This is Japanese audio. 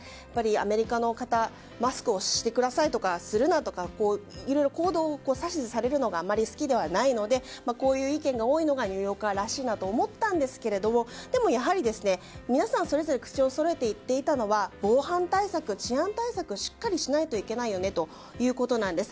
アメリカの方マスクをしてくださいとかするなとか、いろいろ行動を指図されるのがあまり好きではないのでこういう意見が多いのがニューヨーカーらしいなと思ったんですけどでもやはり、皆さんそれぞれ口をそろえて言っていたのは防犯対策、治安対策をしっかりしないといけないよねということなんです。